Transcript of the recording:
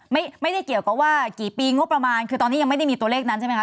ไม่ได้เกี่ยวกับว่ากี่ปีงบประมาณคือตอนนี้ยังไม่ได้มีตัวเลขนั้นใช่ไหมค